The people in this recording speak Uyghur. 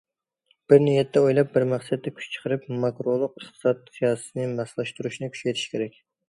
بىر نىيەتتە ئويلاپ، بىر مەقسەتتە كۈچ چىقىرىپ، ماكرولۇق ئىقتىساد سىياسىتىنى ماسلاشتۇرۇشنى كۈچەيتىش كېرەك.